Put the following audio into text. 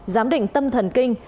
giám định tâm thần kinh